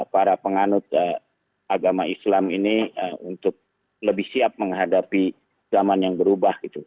para penganut agama islam ini untuk lebih siap menghadapi zaman yang berubah gitu